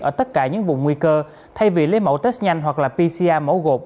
ở tất cả những vùng nguy cơ thay vì lấy mẫu test nhanh hoặc là pcr mẫu gột